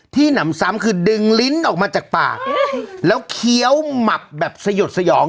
หนำซ้ำคือดึงลิ้นออกมาจากปากแล้วเคี้ยวหมับแบบสยดสยอง